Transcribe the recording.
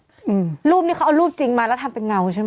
อืมรูปนี้เขาเอารูปจริงมาแล้วทำเป็นเงาใช่ไหม